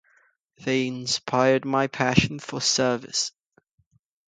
They inspired my passion for service.